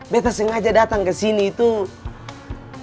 beta sengaja dateng kesini tuh